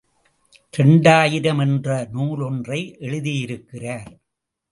இரண்டாயிரம் என்ற நூல் ஒன்றை எழுதியிருக்கிறார்.